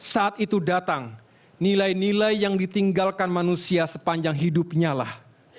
saat itu datang nilai nilai yang ditinggalkan manusia sepanjang hidupnya lah